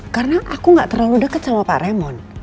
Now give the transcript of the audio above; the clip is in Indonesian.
karena aku gak terlalu deket sama pak raymond